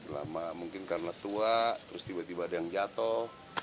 lama mungkin karena tua terus tiba tiba ada yang jatuh